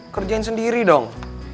kerjain sendiri dong